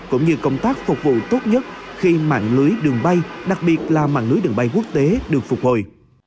cũng như công tác phục vụ tốt nhất khi mạng lưới đường bay đặc biệt là mạng lưới đường bay quốc tế được phục hồi